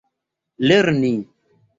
lerni